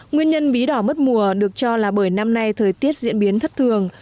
nguyên nhân bí đỏ mất mùa được cho là bởi năm nay thời tiết diễn biến thất thường